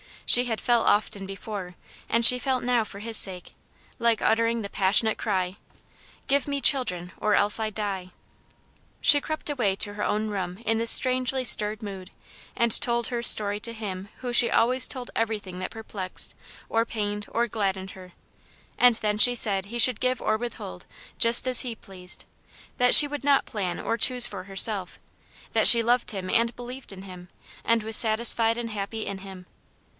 She had felt often before, and she felt now for his sake, like uttering the pas sionate cry :" Give me children, or else I die !" She crept away to her own room in this strangely stirred mood, and told her story to Him to whom she always told everything that perplexed, or pained or gladdened her. And then she said He should give or withhold, just as He pleased ; that she would not plan or choose for herself; that she loved Him and believed in Him, and was satisfied and happy in Him.